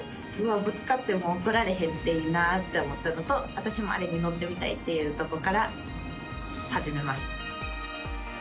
ぶつかっても怒られへんというのがあったのとわたしもあれに乗ってみたいというということから始めました。